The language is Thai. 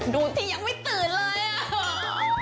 ดูที่ยังไม่ตื่นเลยอ่ะ